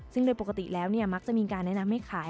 ซึ่งในปกติแล้วเนี่ยมักจะมีการแนะนำไม่ขาย